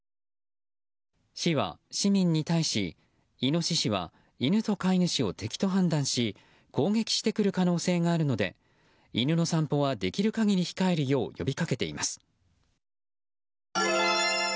市は市民に対し、イノシシは犬と飼い主を敵と判断し攻撃してくる可能性があるので犬の散歩はできる限り控えるよう呼びかけています。